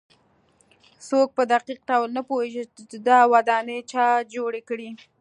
څوک په دقیق ډول نه پوهېږي چې دا ودانۍ چا جوړې کړې.